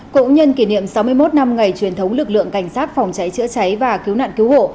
cũng nhân kỷ niệm sáu mươi một năm ngày truyền thống lực lượng cảnh sát phòng cháy chữa cháy và cứu nạn cứu hộ